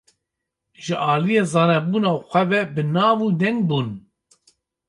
Ji aliyê zanebûna xwe ve bi nav û deng bûn.